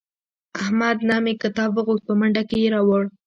احمد نه مې کتاب وغوښت په منډه کې یې راوړ.